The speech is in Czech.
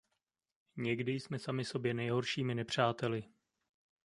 Někdy jsme sami sobě nejhoršími nepřáteli.